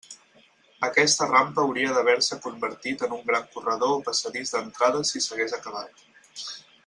Aquesta rampa hauria d'haver-se convertit en un gran corredor o passadís d'entrada si s'hagués acabat.